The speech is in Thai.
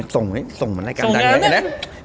ส่งไว้ส่งเหมือนรายการดังไง